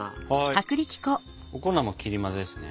お粉も切り混ぜですね。